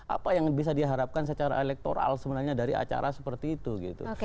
apa yang bisa diharapkan secara elektoral sebenarnya dari acara seperti itu gitu